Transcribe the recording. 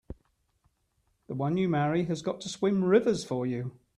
The one you marry has got to swim rivers for you!